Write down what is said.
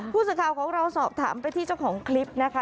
ผู้สื่อข่าวของเราสอบถามไปที่เจ้าของคลิปนะคะ